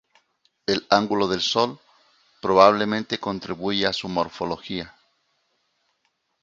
El ángulo del sol probablemente contribuye a su morfología.